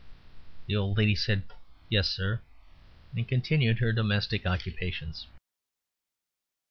The old lady said, "Yes, sir," and continued her domestic occupations.